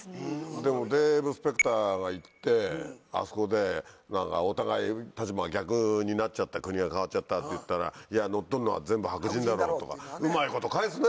でもデーブ・スペクターが行ってあそこで「お互い立場が逆になっちゃって国が変わっちゃった」って言ったら「いや乗っ取るのは全部白人だろう」とかうまいこと返すね。